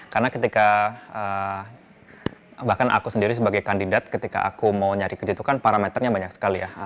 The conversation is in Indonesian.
karena ketika bahkan aku sendiri sebagai kandidat ketika aku mau nyari kerja itu kan parameternya banyak sekali ya